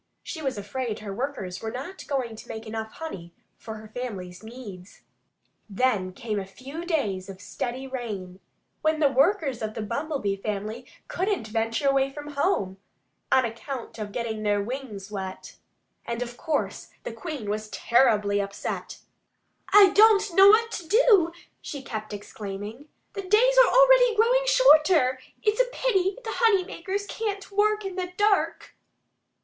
She was afraid her workers were not going to make enough honey for her family's needs. Then came a few days of steady rain, when the workers of the Bumblebee family couldn't venture away from home, on account of getting their wings wet. And of course the Queen was terribly upset. "I don't know what to do!" she kept exclaiming. "The days are already growing shorter. It's a pity the honeymakers can't work in the dark."